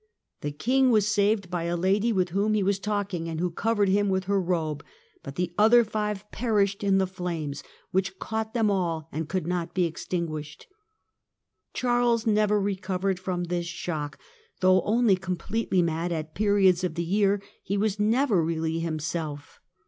The King was saved by a lady with whom he was talking and who covered him with her robe, but the other five perished in the flames which caught them all and could not be extinguished. Charles never re covered from this shock ; though only completely mad at periods of the year he was never really himself.